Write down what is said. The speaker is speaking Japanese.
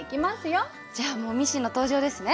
じゃあもうミシンの登場ですね。